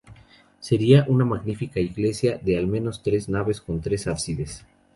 Sería una magnífica iglesia de, al menos, tres naves con tres ábsides.